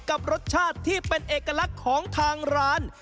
กับรสชาติที่เป็นเอกลักษณ์ของทางร้าน